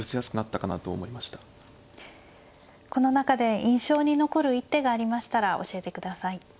この中で印象に残る一手がありましたら教えてください。